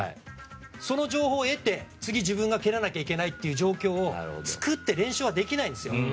その情報を得て次、自分が蹴らなきゃいけない状況を作って練習はできないんですよ。